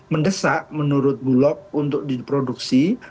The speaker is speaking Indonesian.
mendesak menurut bulog untuk diproduksi